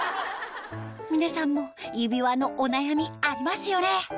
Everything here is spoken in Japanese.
皆さんも指輪のお悩みありますよね